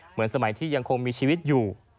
เหมือนสมัยที่ยังคงมีชีวิตอยู่